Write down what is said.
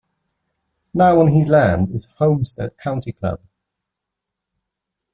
Now on his land is Homestead County Club.